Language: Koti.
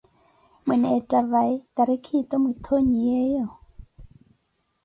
Mwinettha vai, tariki ettho mwitthonyiyeeyo?